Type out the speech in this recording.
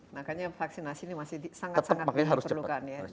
makanya vaksinasi ini masih sangat sangat diperlukan ya